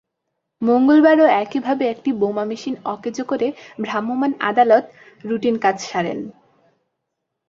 মঙ্গলবারও একইভাবে একটি বোমা মেশিন অকেজো করে ভ্রাম্যমাণ আদালত রুটিন কাজ সারেন।